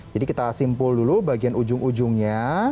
kita simpul dulu bagian ujung ujungnya